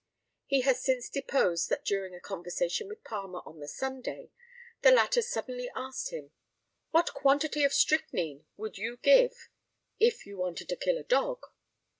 He has since deposed that during a conversation with Palmer on the Sunday, the latter suddenly asked him, "What quantity of strychnine would you give if you wanted to kill a dog?"